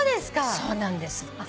そうなんですって。